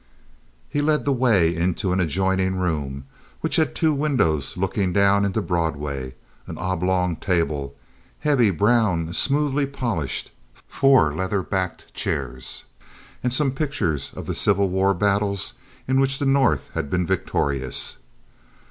He led the way into an adjoining room which had two windows looking down into Broadway; an oblong table, heavy, brown, smoothly polished; four leather backed chairs; and some pictures of the Civil War battles in which the North had been victorious.